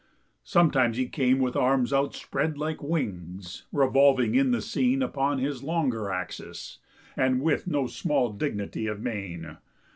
Sometimes he came with arms outspread Like wings, revolving in the scene Upon his longer axis, and With no small dignity of mien.